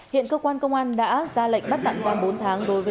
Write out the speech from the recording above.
hiện cơ quan công an đã ra lệnh bắt tặng